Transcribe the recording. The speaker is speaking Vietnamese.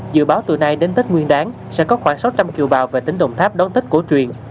dự báo từ nay đến tết nguyên đáng sẽ có khoảng sáu trăm linh kiều bào về tỉnh đồng tháp đón tết cổ truyền